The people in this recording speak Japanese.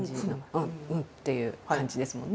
「ふん！ふん！」っていう感じですもんね。